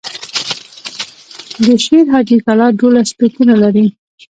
د شير حاجي کلا دولس توپونه لري.